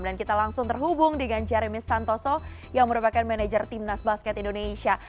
dan kita langsung terhubung dengan jeremy santoso yang merupakan manajer timnas basket indonesia